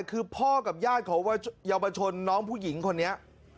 คือพ่อกับญาติของเยาวชนน้องผู้หญิงคนนี้